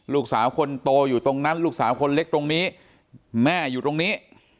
ลูกสาวคนโตอยู่ตรงนั้นลูกสาวคนเล็กตรงนี้แม่อยู่ตรงนี้